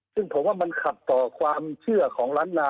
ซึ่งผมว่ามันขัดต่อความเชื่อของล้านนา